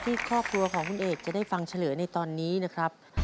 ที่ครอบครัวของคุณเอกจะได้ฟังเฉลยในตอนนี้นะครับ